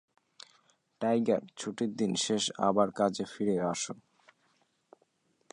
Tiger, ছুটির দিন শেষ আবার কাজে ফিরে আসো।